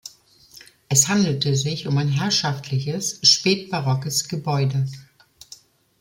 Es handelte sich um ein herrschaftliches, spätbarockes Gebäude.